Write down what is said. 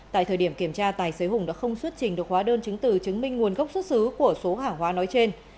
tại thời điểm kiểm tra tài xế hùng đã không xuất trình được hóa đơn chứng từ chứng minh nguồn gốc xuất xứ của số hàng hóa nói trên